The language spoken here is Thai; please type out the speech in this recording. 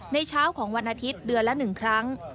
เช้าของวันอาทิตย์เดือนละ๑ครั้ง